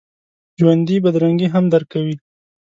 ژوندي بدرنګي هم درک کوي